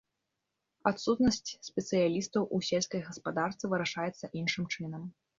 Адсутнасць спецыялістаў у сельскай гаспадарцы вырашаецца іншым чынам.